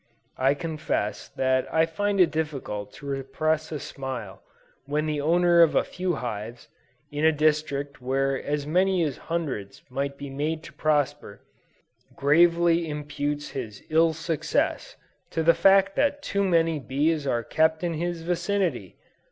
I confess that I find it difficult to repress a smile, when the owner of a few hives, in a district where as many hundreds might be made to prosper, gravely imputes his ill success, to the fact that too many bees are kept in his vicinity!